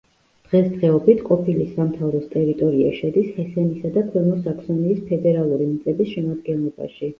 დღესდღეობით ყოფილი სამთავროს ტერიტორია შედის ჰესენისა და ქვემო საქსონიის ფედერალური მიწების შემადგენლობაში.